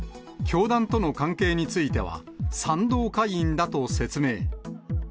教団との関係については、賛同会員だと説明。